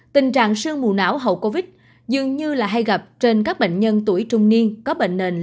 tình trạng sương mù não hậu covid dường như hay gặp trên các bệnh nhân tuổi trung niên